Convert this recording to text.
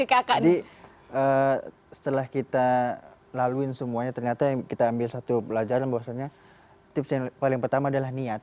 jadi setelah kita laluin semuanya ternyata kita ambil satu pelajaran bahwasannya tips yang paling pertama adalah niat